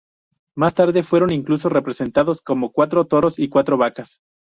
Más tarde, fueron incluso representados como cuatro toros y cuatro vacas.